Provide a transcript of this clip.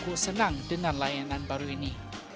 mereka juga senang dengan layanan baru ini